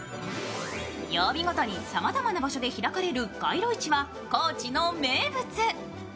曜日ごとにざまざまな場所で開かれる街路市は高知の名物。